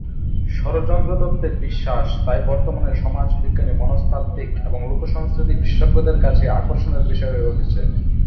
ষড়যন্ত্র তত্ত্বে বিশ্বাস তাই বর্তমানে সমাজবিজ্ঞানী, মনস্তাত্ত্বিক, এবং লোকসংস্কৃতির বিশেষজ্ঞদের কাছে আকর্ষণের বিষয় হয়ে উঠেছে।